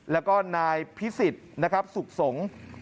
แล้วก็นายพิศิษธญ์สุขศง